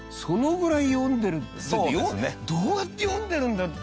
そのぐらい読んでるどうやって読んでるんだ？